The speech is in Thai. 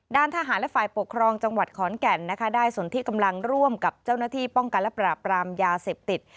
ด้านทหารและฝ่ายปกครองจังหวัดขอนแก่นนะคะได้ส่วนที่กำลังร่วมกับเจ้าหน้าที่ป้องกันและปราบรามยาเสพติด